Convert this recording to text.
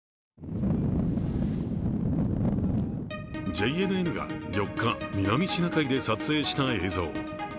ＪＮＮが４日、南シナ海で撮影した映像。